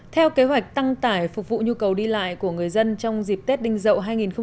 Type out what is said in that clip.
theo kế hoạch tăng tải phục vụ nhu cầu đi lại của người dân trong dịp tết đinh dậu hai nghìn hai mươi